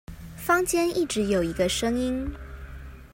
坊間一直有一個聲音